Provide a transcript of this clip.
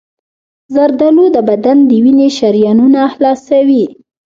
زردآلو د بدن د وینې شریانونه خلاصوي.